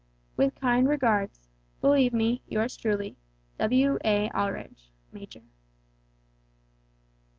"With kind regards, "Believe me, yours truly, "W.A. ALDRIDGE Major."